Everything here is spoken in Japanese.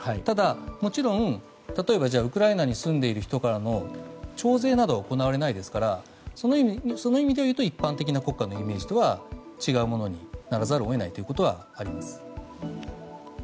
ただ、もちろんウクライナに住んでいる人からの徴税などは行われないですからその意味でいうと一般的な国家のイメージとは違うものにならざるを得ないということはあります。